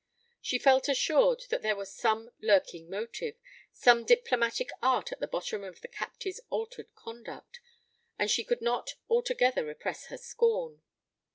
She felt assured that there was some lurking motive, some diplomatic art at the bottom of the Captain's altered conduct, and she could not altogether repress her scorn.